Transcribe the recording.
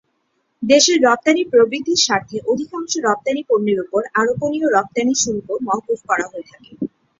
দেশের রপ্তানী প্রবৃদ্ধির স্বার্থে অধিকাংশ রপ্তানী পণ্যের ওপর আরোপনীয় রপ্তানী শুল্ক মওকুফ করা হয়ে থাকে।